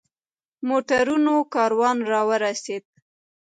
موټرونو کاروان را ورسېد.